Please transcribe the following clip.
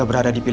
aku mau ke rumah